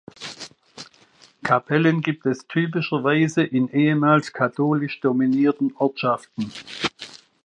Kapellen gibt es typischerweise in ehemals katholisch dominierten Ortschaften.